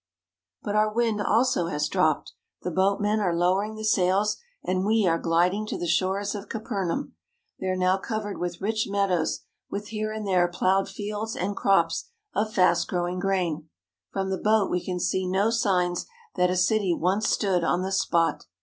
But our wind also has dropped. The boatmen are lowering the sails and we are gliding to the shores of Capernaum. They are now covered with rich meadows, with here and there ploughed fields and crops of fast grow ing grain. From the boat we can see no signs that a city once stood on the spot.